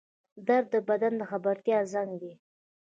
درد د بدن د خبرتیا زنګ دی